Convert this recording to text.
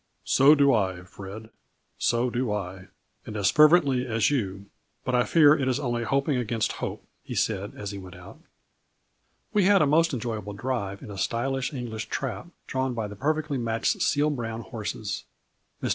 " So do I, Fred, so do I, and as fervently as you, but I fear it is only hoping against hope," he said as he went out. We had a most enjoyable drive in a stylish English trap drawn by the perfectly matched seal brown horses. Mr.